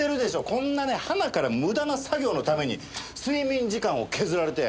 こんなねはなから無駄な作業のために睡眠時間を削られて。